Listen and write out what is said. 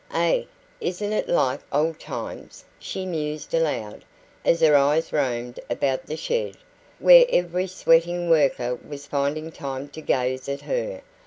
"Eh, isn't it like old times!" she mused aloud, as her eyes roamed about the shed, where every sweating worker was finding time to gaze at her.